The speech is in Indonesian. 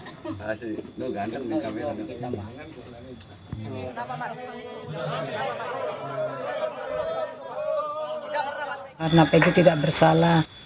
karena pegi tidak bersalah